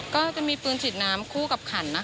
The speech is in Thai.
ก็จะมีปืนฉีดน้ำคู่กับขันนะคะ